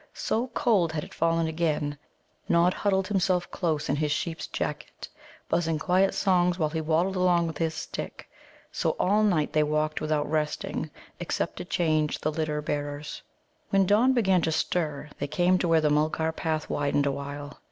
So cold had it fallen again, Nod huddled himself close in his sheep's jacket, buzzing quiet songs while he waddled along with his stick. So all night they walked without resting, except to change the litter bearers. When dawn began to stir, they came to where the Mulgar path widened awhile.